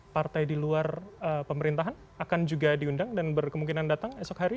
partai di luar pemerintahan akan juga diundang dan berkemungkinan datang esok hari